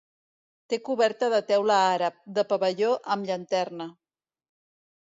Té coberta de teula àrab, de pavelló amb llanterna.